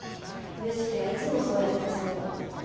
良樹はいつもそうやって強がる。